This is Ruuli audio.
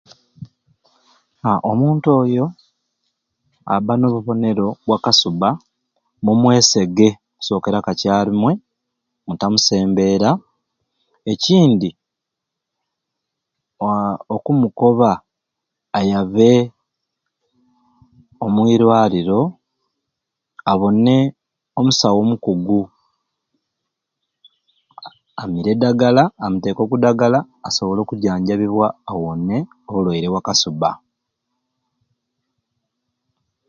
Haa omuntu oyo aba nobubonero bwa kasuba mumwesege okusokera kakyarumwei mutamusembera nekyindi haa okumukoba ayabe omwirwaliro abone omusawo omukugu amire edagala amuteke oku dagala asobole okujjanjabibwa awone obulweire bwa kasuba